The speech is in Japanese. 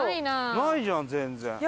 ないじゃん全然。